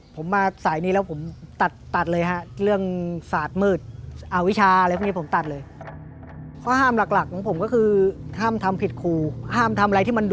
ผมมาสายนี้แล้วผมตัดเลยครับ